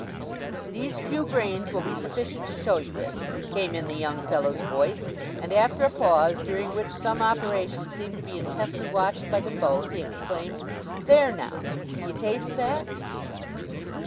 "These few grains will be sufficient to show ye with," came in the young fellow's voice; and after a pause, during which some operation seemed to be intently watched by them both, he exclaimed, "There, now, do you taste that."